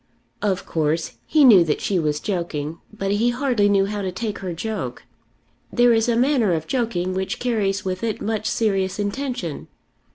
Of course he knew that she was joking, but he hardly knew how to take her joke. There is a manner of joking which carries with it much serious intention.